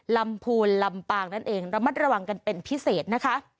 ลำพูนลำปางนั่นเองระมัดระวังกันเป็นพิเศษนะคะ